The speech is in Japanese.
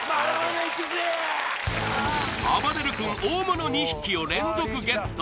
あばれる君大物２匹を連続ゲット